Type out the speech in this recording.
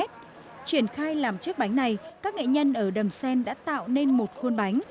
truyền khai làm chiếc bánh này các nghệ nhân ở đầm xen đã tạo nên một khuôn bánh